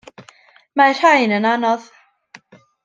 Mae'r rhain yn anodd.